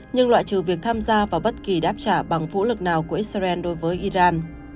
nhưng loại trừ việc tham gia vào bất kỳ đáp trả bằng vũ lực nào của israel đối với iran